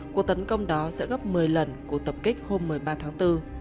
cuộc tấn công đó sẽ gấp một mươi lần cuộc tập kích hôm một mươi ba tháng bốn